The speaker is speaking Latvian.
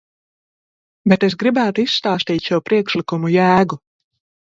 Bet es gribētu izstāstīt šo priekšlikumu jēgu.